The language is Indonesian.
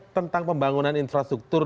tentang pembangunan infrastruktur